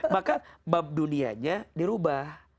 maka bab dunianya dirubah